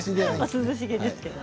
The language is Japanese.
涼しげですけどね。